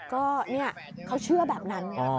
ก็เนี่ยเขาเชื่อแบบนั้น